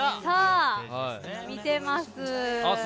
見てます。